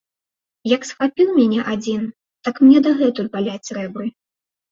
Як схапіў мяне адзін, так мне дагэтуль баляць рэбры.